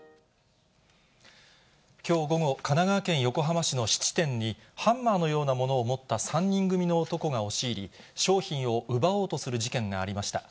きょう午後、神奈川県横浜市の質店に、ハンマーのようなものを持った３人組の男が押し入り、商品を奪おうとする事件がありました。